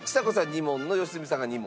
２問の良純さんが２問。